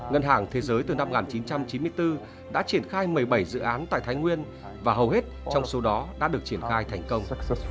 ngân hàng thế giới từ năm một nghìn chín trăm chín mươi bốn đã triển khai một mươi bảy dự án tại thái nguyên và hầu hết trong số đó đã được triển khai thành công